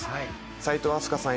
齋藤飛鳥さん